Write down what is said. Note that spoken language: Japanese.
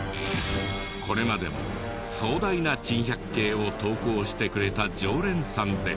これまでも壮大な珍百景を投稿してくれた常連さんで。